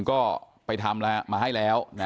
ก็ไปทำมาให้แล้ว